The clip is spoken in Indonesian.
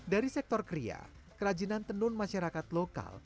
dari sektor kria kerajinan tenun masyarakat lokal